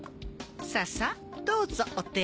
ささっどうぞお手を。